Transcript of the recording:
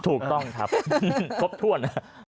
ถูกต้องครับครบถ้วน